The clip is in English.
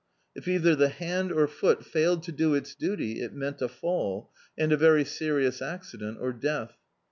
If either the hand or foot failed to do its duty, it meant a fall, and a very serious accident or death.